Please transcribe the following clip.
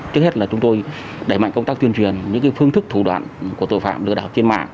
trước hết là chúng tôi đẩy mạnh công tác tuyên truyền những phương thức thủ đoạn của tội phạm lừa đảo trên mạng